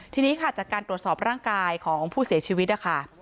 ทีนี้ค่ะจากการตรวจสอบร่างกายของผู้เสียชีวิตนะคะ